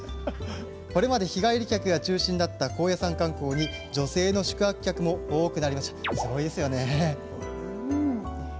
これまで日帰り客が中心だった高野山観光に女性の宿泊客も多くなりました。